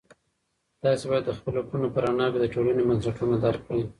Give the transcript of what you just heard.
تاسې باید د خپلو کړنو په رڼا کې د ټولنې بنسټونه درک کړئ.